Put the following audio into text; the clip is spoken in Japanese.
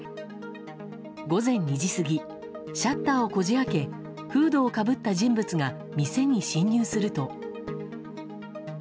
午前２時過ぎシャッターをこじ開けフードをかぶった人物が店に侵入すると。